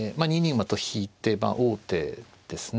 馬と引いて王手ですね。